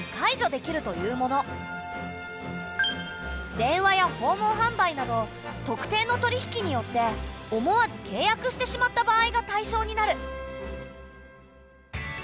電話や訪問販売など「特定の取引」によって思わず契約してしまった場合が対象になる。